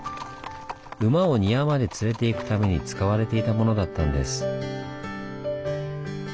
馬を庭まで連れていくために使われていたものだったんです。